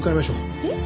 えっ？